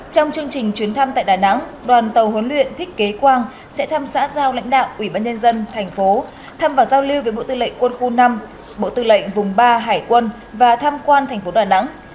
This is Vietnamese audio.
trong chương trình chuyến thăm tại đà nẵng đoàn tàu huấn luyện thích kế quang sẽ thăm xã giao lãnh đạo ủy ban nhân dân thành phố thăm và giao lưu với bộ tư lệnh quân khu năm bộ tư lệnh vùng ba hải quân và tham quan thành phố đà nẵng